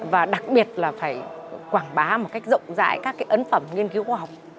và đặc biệt là phải quảng bá một cách rộng rãi các ấn phẩm nghiên cứu khoa học